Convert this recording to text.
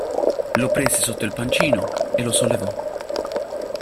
Lo prese sotto il pancino e lo sollevò.